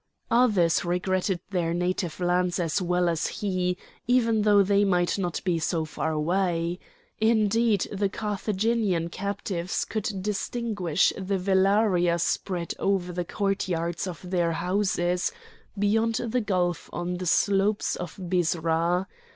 Others regretted their native lands as well as he, even though they might not be so far away. Indeed the Carthaginian captives could distinguish the velaria spread over the courtyards of their houses, beyond the gulf on the slopes of Byrsa.